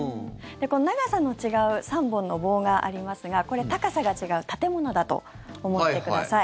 長さの違う３本の棒がありますがこれ、高さが違う建物だと思ってください。